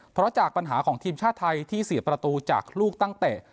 เพราะจากปัญหาของทีมชาติไทยที่เสียประตูจากลูกตั้งเตะ